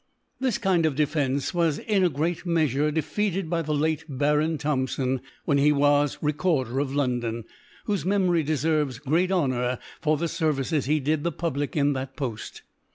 This kind of Defence was in a great Meafure defeated by the late Baron Tbompfon^ when he was Re corder of Londony whofe Memory deferves great Honour for the Services he did t^e Public in that Poft.